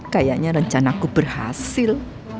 kayaknya rencana ku berhasil